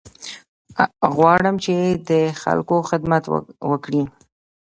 غواړم چې د خلکو خدمت وکړې.